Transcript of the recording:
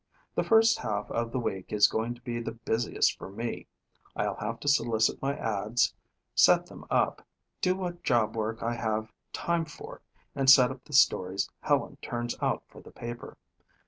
The first half of the week is going to be the busiest for me. I'll have to solicit my ads, set them up, do what job work I have time for and set up the stories Helen turns out for the paper.